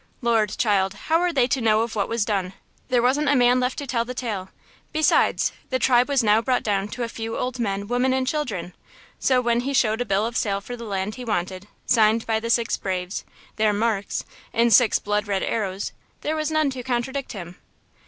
"Lord, child, how were they to know of what was done? There wasn't a man left to tell the tale. Besides, the tribe was now brought down to a few old men, women and children. So, when he showed a bill of sale for the land he wanted, signed by the six braves–'their marks,' in six blood red arrows, there was none to contradict him."